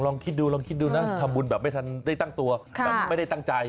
ลองคิดดูลองคิดดูนะทำบุญแบบไม่ทันได้ตั้งตัวแบบไม่ได้ตั้งใจ